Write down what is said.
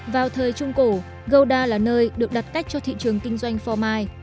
vào thời trung cổ gouda là nơi được đặt cách cho thị trường kinh doanh phò mai